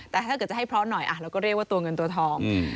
แต่ถ้าเกิดจะให้เพราะหน่อยเราก็เรียกว่าตัวเงินตัวทอง